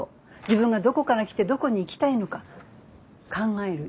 自分がどこから来てどこに行きたいのか考える